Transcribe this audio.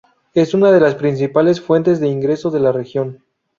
Es una de las principales fuentes de ingreso de la región.